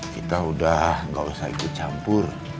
kita udah gak usah ikut campur